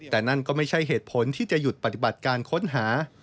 แต่นั่นก็ไม่ใช่เหตุผลที่จะหยุดปฏิบัติการค้นหา